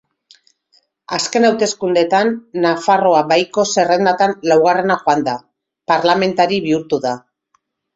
Azken hauteskundeetan, Nafarroa Baiko zerrendatan laugarrena joanda, parlamentari bihurtu da.